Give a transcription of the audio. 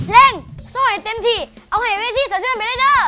เร่งสู้ให้เต็มที่เอาให้เวทีสะเทือนไปเลยเด้อ